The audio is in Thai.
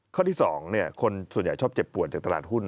ข้อที่๒คนส่วนใหญ่ชอบเจ็บปวดจากตลาดหุ้น